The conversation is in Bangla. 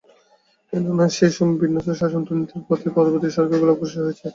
কেননা, সেই সময় বিন্যস্ত শাসন দুর্নীতির পথেই পরবর্তী সরকারগুলোও অগ্রসর হয়েছে।